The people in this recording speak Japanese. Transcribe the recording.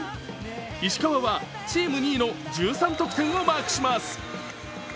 石川はチーム２位の１３得点をマークします